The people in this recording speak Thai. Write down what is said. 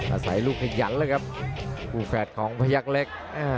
อาศัยลูกขยันแล้วครับคู่แฝดของพยักษ์เล็ก